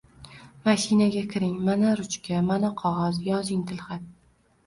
— Mashinaga kiring. Mana, ruchka, mana, qog‘oz. Yozing: tilxat...